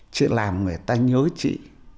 chị làm người ta nhớ chị